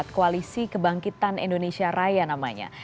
koalisi kebangkitan indonesia raya namanya